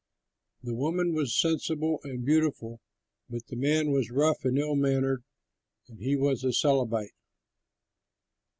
The woman was sensible and beautiful, but the man was rough and ill mannered; and he was a Calebite.